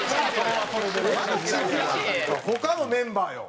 他のメンバーよ。